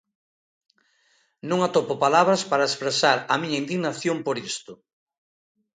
Non atopo palabras para expresar a miña indignación por isto.